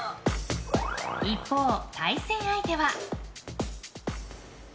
一方、対戦相手は。